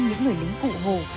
những người lính cụ hồ